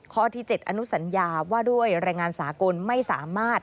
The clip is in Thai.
ข้อที่๗อนุสัญญาว่าด้วยแรงงานสากลไม่สามารถ